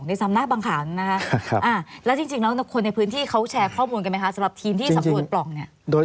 คนในพื้นที่เขาแชร์ข้อมูลกันไหมคะสำหรับทีมที่สำรวจปล่อง